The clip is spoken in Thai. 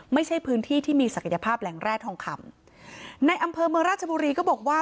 ไม่ใช่พื้นที่ที่มีศักยภาพแหล่งแร่ทองคำในอำเภอเมืองราชบุรีก็บอกว่า